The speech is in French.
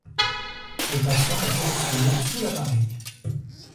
Le patient est positionné sous l'appareil.